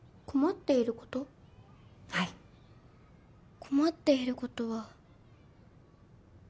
困っている事は。